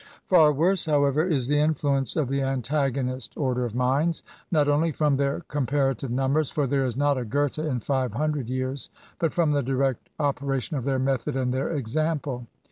Far worse, however, is the influence of the antagonist order of minds,— not only from their comparative numbers, for there is not a Gothe in five hundred years,^ but from the direct opera* tion of their method and their example.